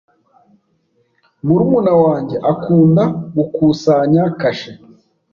Murumuna wanjye akunda gukusanya kashe.